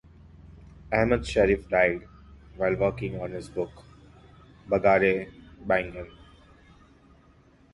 Ahmed Sherif died, while working on his book "bagare baingan".